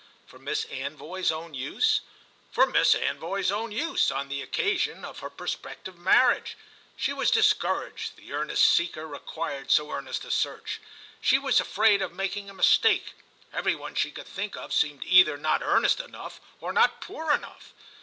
"For Miss Anvoy's own use?" "For Miss Anvoy's own use—on the occasion of her prospective marriage. She was discouraged—the earnest seeker required so earnest a search. She was afraid of making a mistake; every one she could think of seemed either not earnest enough or not poor enough.